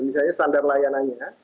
misalnya standar layanannya